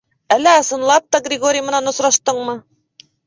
Әллә ысынлап та Григорий менән осраштыңмы?